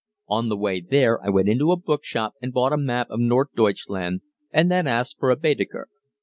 On the way there I went into a bookshop and bought a map of Nord Deutschland and then asked for a Baedeker.